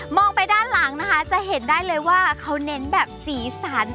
ไปด้านหลังนะคะจะเห็นได้เลยว่าเขาเน้นแบบสีสัน